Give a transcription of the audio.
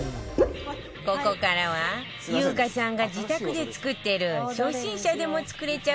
ここからは優香さんが自宅で作ってる初心者でも作れちゃうレシピを紹介してもらうわよ